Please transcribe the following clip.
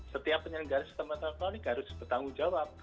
setiap penyelenggara sistem elektronik harus bertanggung jawab